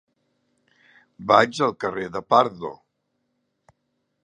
Vaig al carrer de Pardo.